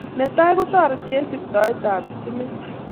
Netai, kotoriti eng siktoet ab stimet